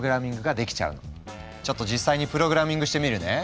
ちょっと実際にプログラミングしてみるね。